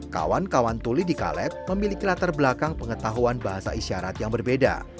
kawan kawan tuli di kaleb memiliki latar belakang pengetahuan bahasa isyarat yang berbeda